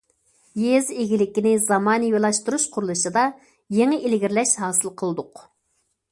يېزا ئىگىلىكىنى زامانىۋىلاشتۇرۇش قۇرۇلۇشىدا يېڭى ئىلگىرىلەش ھاسىل قىلدۇق.